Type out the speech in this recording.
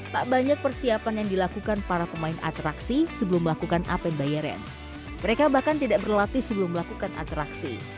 tak banyak persiapan yang dilakukan para pemain atraksi sebelum melakukan apen bayaran mereka bahkan tidak berlatih sebelum melakukan atraksi